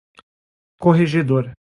corregedor